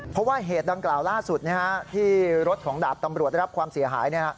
เพราะว่าเหตุดังกล่าวล่าสุดที่รถของดาบตำรวจได้รับความเสียหาย